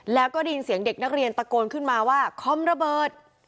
แล้วก็ได้ยินเสียงเด็กนักเรียนตะโกนขึ้นมาว่าคอมระเบิด